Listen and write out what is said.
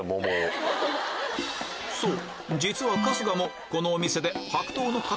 そう！